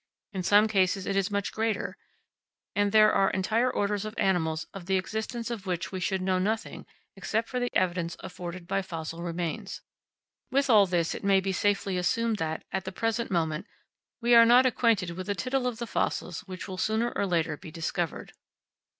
In some cases it is much greater; and there are entire orders of animals of the existence of which we should know nothing except for the evidence afforded by fossil remains. With all this it may be safely assumed that, at the present moment, we are not acquainted with a tittle of the fossils which will sooner or later be discovered.